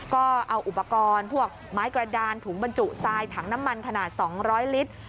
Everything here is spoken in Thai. ก็เอาอุปกรณ์พวกไม้กระดานถุงบรรจุทรายถังน้ำมันขนาด๒๐๐ลิตร